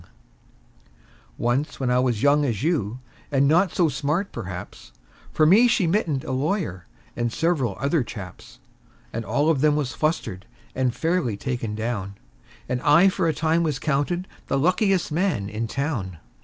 [ image not found: CarleFarmB 19, CarleFarmB 19 ] Once, when I was young as you, and not so smart, perhaps, For me she mittened a lawyer, and several other chaps; And all of them was flustered, and fairly taken down, And I for a time was counted the luckiest man in town.